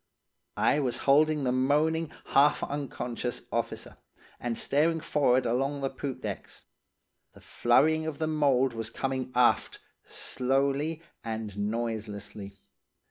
"I was holding the moaning, half unconscious officer, and staring forrard along the poop decks. The flurrying of the mould was coming aft, slowly and noiselessly.